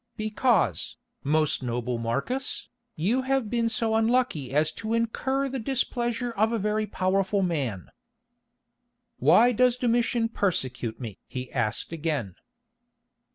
"Because, most noble Marcus, you have been so unlucky as to incur the displeasure of a very powerful man." "Why does Domitian persecute me?" he asked again.